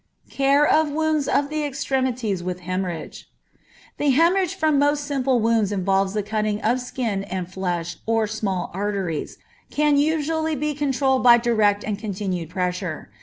Care of Wounds of the Extremities with Hemorrhage. The hemorrhage from most simple wounds involving the cutting of skin and flesh or small arteries, can usually be controlled by direct and continued pressure.